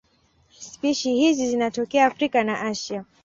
Spishi hizi zinatokea Afrika na Asia.